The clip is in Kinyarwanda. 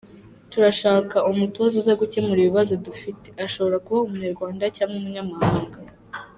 Turashaka umutoza uza gukemura ibibazo dufite, ashobora kuba Umunyarwanda cyangwa umunyamahanga.